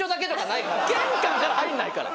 玄関から入んないから。